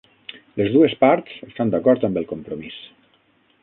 Les dues parts estan d'acord amb el compromís.